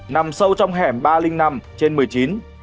nằm sâu trong hẻm ba trăm linh năm trên một mươi chín